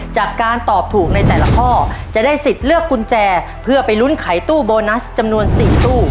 จากการตอบถูกในแต่ละข้อจะได้สิทธิ์เลือกกุญแจเพื่อไปลุ้นไขตู้โบนัสจำนวน๔ตู้